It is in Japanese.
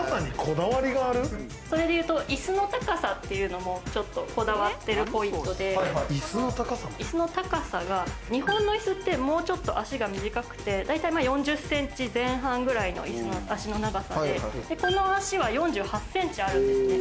それでいうと椅子の高さっていうのもちょっとこだわっているポイントで、椅子の高さが、日本の椅子ってもうちょっと足が短くて、大体４０ｃｍ前半ぐらいの椅子の足の長さで、この足は４８ｃｍあるんですね。